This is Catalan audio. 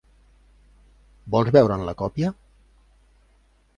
Vols veure'n la còpia?